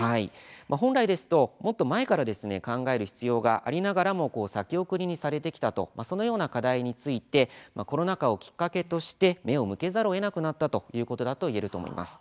本来ですともっと前から考える必要がありながらも先送りにされてきたというそのような課題に対してコロナ禍をきっかけに目を向けざるをえなくなったということだと言えると思います。